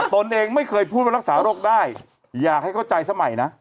ตนเองไม่เคยพูดว่ารักษาโรคได้อยากให้เข้าใจสมัยนะ